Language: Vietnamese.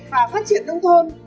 và phát triển nông thôn